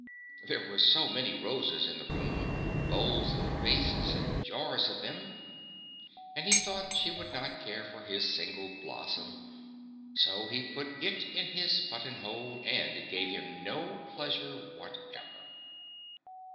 There were so many roses in the room, bowls and vases and jars of them, that he thought she would not care for his single blossom, so he put it in his buttonhole; but it gave him no pleasure whatever.